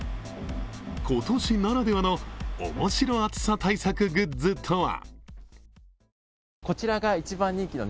今年ならではの面白暑さ対策グッズとは？